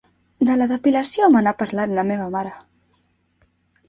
De la depilació me n'ha parlat la meva mare.